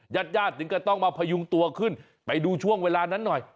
ญาติญาติถึงก็ต้องมาพยุงตัวขึ้นไปดูช่วงเวลานั้นหน่อย